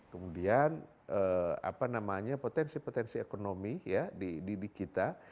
kemudian potensi potensi ekonomi di kita